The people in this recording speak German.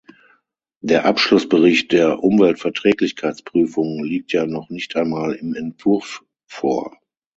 Der Abschlussbericht der Umweltverträglichkeitsprüfung liegt ja noch nicht einmal im Entwurf vor.